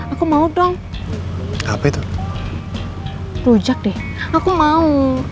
aku mau ditangkap di rumah